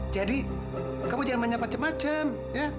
jadi kamu jangan banyak macam macam ya